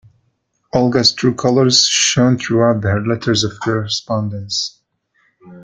Olga's true colors shone throughout her letters of correspondence.